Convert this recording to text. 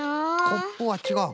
コップはちがう。